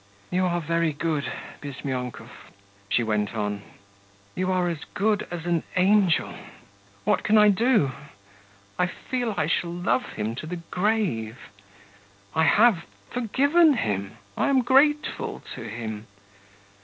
'You are very good, Bizmyonkov,' she went on;' you are good as an angel. What can I do! I feel I shall love him to the grave. I have forgiven him, I am grateful to him.